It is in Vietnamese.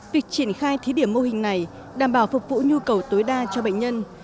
việc triển khai thí điểm mô hình này đảm bảo phục vụ nhu cầu tối đa cho bệnh nhân